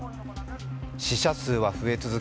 死者数は増え続け